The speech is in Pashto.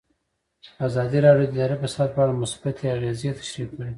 ازادي راډیو د اداري فساد په اړه مثبت اغېزې تشریح کړي.